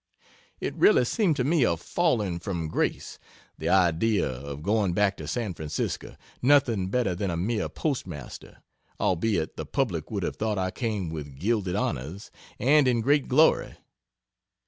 It really seemed to me a falling from grace, the idea of going back to San Francisco nothing better than a mere postmaster, albeit the public would have thought I came with gilded honors, and in great glory.